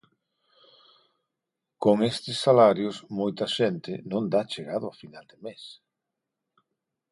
Con estes salarios, moita xente non dá chegado a final de mes.